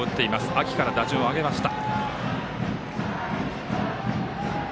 秋から打順を上げました。